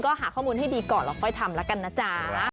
ก็หาข้อมูลให้ดีก่อนเราค่อยทำแล้วกันนะจ๊ะ